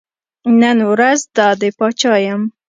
نن ورځ دا دی پاچا یم.